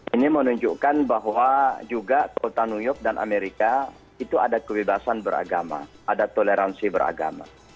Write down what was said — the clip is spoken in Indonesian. ini menunjukkan bahwa juga kota new york dan amerika itu ada kebebasan beragama ada toleransi beragama